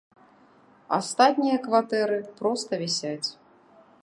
Астатнія кватэры проста вісяць.